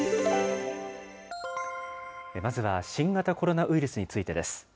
まずは新型コロナウイルスについてです。